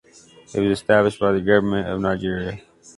It was established by the Government of Nigeria.